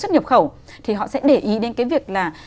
xuất nhập khẩu thì họ sẽ để ý đến cái việc là